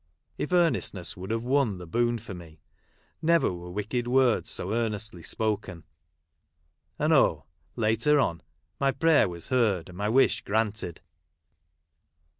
.1 f earnestness wfmld have won the boon for me, never wero wicked words so ' earnestly spoken. And oli, later on, my prayer was heard, and my wish granted